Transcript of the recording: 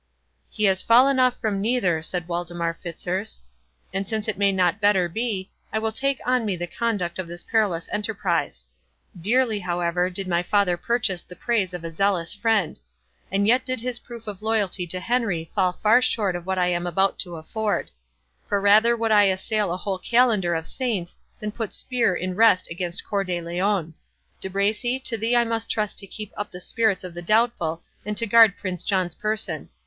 "He has fallen off from neither," said Waldemar Fitzurse; "and since it may not better be, I will take on me the conduct of this perilous enterprise. Dearly, however, did my father purchase the praise of a zealous friend; and yet did his proof of loyalty to Henry fall far short of what I am about to afford; for rather would I assail a whole calendar of saints, than put spear in rest against Cœur de Lion.—De Bracy, to thee I must trust to keep up the spirits of the doubtful, and to guard Prince John's person.